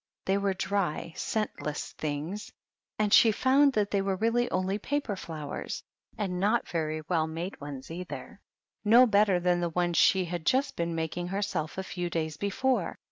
They were dry, scentless things, and she found PEGGY THE PIG. that they were really only paper flowers, — and not very well made ones/ either, — no better than the ones she had just been making herself a few days before.